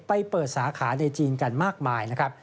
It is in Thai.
ไปเปิดสาขาในจีนกันมากมายนะครับ